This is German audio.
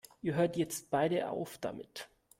Ihr hört jetzt beide auf damit!